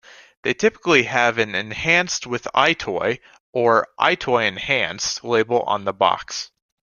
They typically have an "Enhanced with EyeToy" or "EyeToy Enhanced" label on the box.